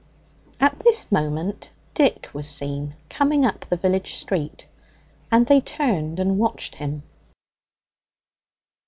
At this moment Dick was seen coming up the village street, and they turned and watched him.